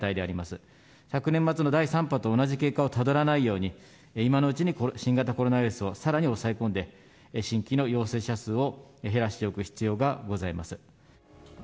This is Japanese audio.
昨年末の第３波と同じ経過をたどらないように、今のうちに新型コロナウイルスをさらに抑え込んで、新規の陽性者数を減らしておく必要がございます。